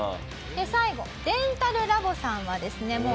で最後デンタルラボさんはですね